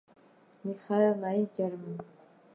მიხაელ ნაი, გერმ.